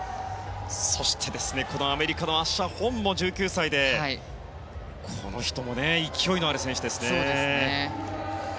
そして、このアメリカのアッシャー・ホンも１９歳で、この人も勢いのある選手ですね。